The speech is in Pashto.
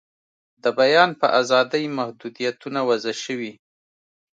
د بیان په آزادۍ محدویتونه وضع شوي.